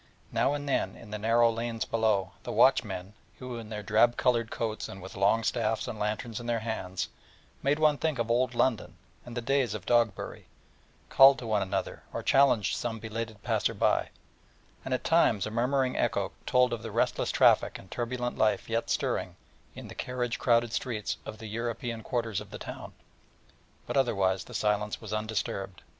Now and then in the narrow lanes below, the watchmen, who in their drab coloured coats and with long staffs and lanterns in their hands, made one think of Old London and the days of Dogberry, called to one another or challenged some belated passer by, and at times a murmuring echo told of the restless traffic and turbulent life yet stirring in the carriage crowded streets of the European quarters of the town, but otherwise the silence was undisturbed.